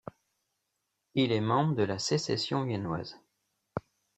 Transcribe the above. Il est membre de la Sécession viennoise.